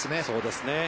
そうですね。